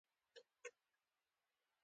د اسهال لپاره د انارو کومه برخه وکاروم؟